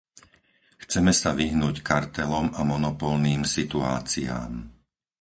Chceme sa vyhnúť kartelom a monopolným situáciám.